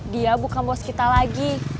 dia buka bos kita lagi